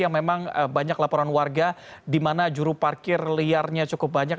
yang memang banyak laporan warga di mana juru parkir liarnya cukup banyak